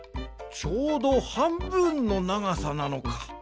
ちょうどはんぶんのながさなのか。